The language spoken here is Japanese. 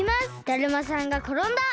だるまさんがころんだ！